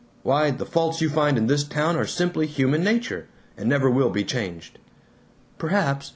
Why, the faults you find in this town are simply human nature, and never will be changed." "Perhaps.